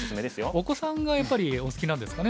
お子さんがやっぱりお好きなんですかね